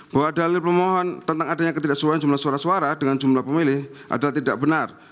bahwa dalil pemohon tentang adanya ketidaksuaian jumlah suara suara dengan jumlah pemilih adalah tidak benar